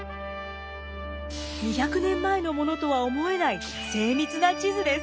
２００年前のものとは思えない精密な地図です。